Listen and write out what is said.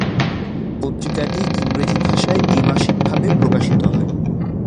পত্রিকাটি ইংরেজি ভাষায় দ্বিমাসিকভাবে প্রকাশিত হয়।